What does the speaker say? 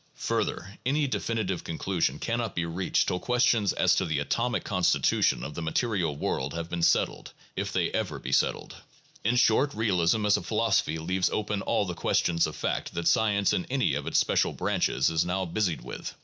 Further, any defin itive conclusion cannot be reached till questions as to the atomic constitution of the material world have been settled, if they ever be settled. In short, realism as a philosophy leaves open all the questions of fact that science in any of its special branches is now busied with.